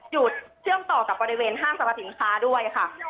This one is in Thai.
อยู่เชื่อมต่อกับบริเวณห้างสรรพสินค้าด้วยค่ะ